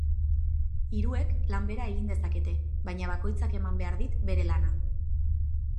Hiruek lan bera egin dezakete baina bakoitzak eman behar dit bere lana.